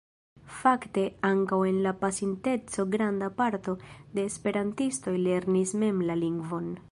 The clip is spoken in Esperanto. Fakte ankaŭ en la pasinteco granda parto de esperantistoj lernis mem la lingvon.